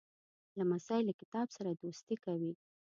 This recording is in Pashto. لمسی له کتاب سره دوستي کوي.